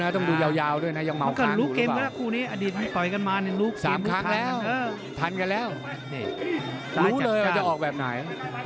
แต่ช่วงหลังต้อนรู้ต่อออกแบบไหน